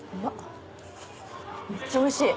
めっちゃおいしい。